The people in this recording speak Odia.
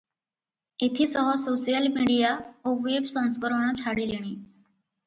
ଏଥି ସହ ସୋସିଆଲ ମିଡ଼ିଆ ଓ ୱେବ ସଂସ୍କରଣ ଛାଡ଼ିଲେଣି ।